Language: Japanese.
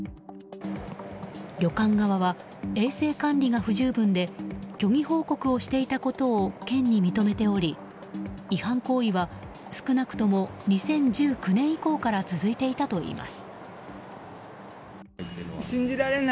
旅館側は、衛生管理が不十分で虚偽報告をしていたことを県に認めており違反行為は少なくとも２０１９年以降から続いていたといいます。